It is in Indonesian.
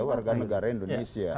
warga negara indonesia